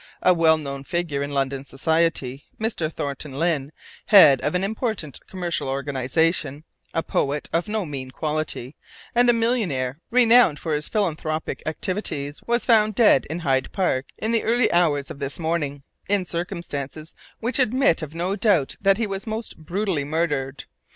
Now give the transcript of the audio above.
A well known figure in London Society, Mr. Thornton Lyne, head of an important commercial organisation, a poet of no mean quality, and a millionaire renowned for his philanthropic activities, was found dead in Hyde Park in the early hours of this morning, in circumstances which admit of no doubt that he was most brutally murdered.